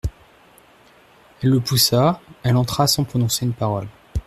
Elle le poussa, elle entra sans prononcer une parole.